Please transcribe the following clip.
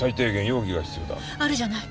あるじゃない。